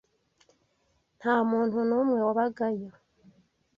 Nta muntu n’umwe wabagayo.